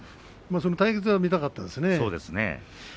その対決を見たかったですよね。